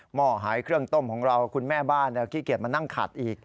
ห่อหายเครื่องต้มของเราคุณแม่บ้านขี้เกียจมานั่งขัดอีก